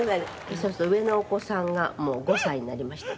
そうすると上のお子さんがもう５歳になりましたか？